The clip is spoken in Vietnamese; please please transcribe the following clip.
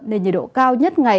nền nhiệt độ cao nhất ngày